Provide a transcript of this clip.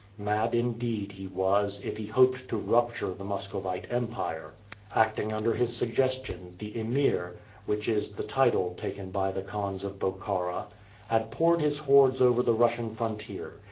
Mad indeed he was, if he hoped to rupture the Muscovite Empire. Acting under his suggestion, the Emir which is the title taken by the khans of Bokhara had poured his hordes over the Russian frontier.